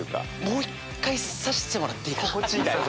もう１回刺してもらっていいかな。